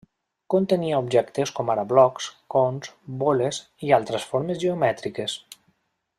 Contenia objectes com ara blocs, cons, boles i altres formes geomètriques.